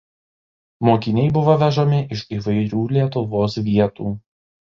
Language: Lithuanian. Mokiniai buvo vežami iš įvairių Lietuvos vietų.